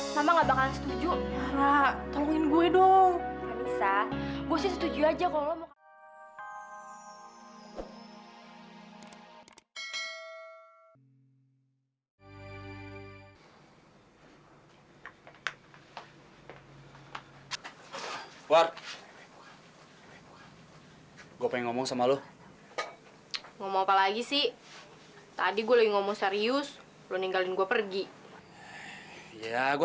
sampai jumpa di video selanjutnya